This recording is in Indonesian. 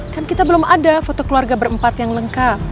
kan kita belum ada foto keluarga berempat yang lengkap